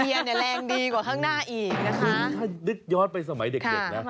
เหล้งเชียร์ลังเชียร์เนี่ยแรงดีกว่าข้างหน้าอีกนะคะ